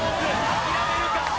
諦めるか？